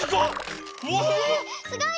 すごい！